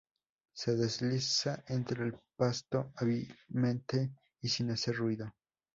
Se desliza entre el pasto hábilmente y sin hacer ruido.